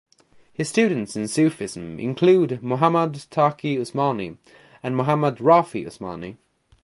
His students in Sufism include Muhammad Taqi Usmani and Muhammad Rafi Usmani.